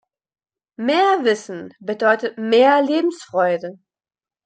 Mehr Wissen bedeutet mehr Lebensfreude.